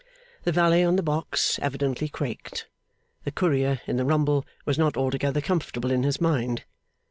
The valet on the box evidently quaked. The Courier in the rumble was not altogether comfortable in his mind.